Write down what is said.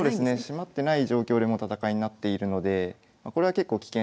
閉まってない状況でもう戦いになっているのでこれは結構危険ですね。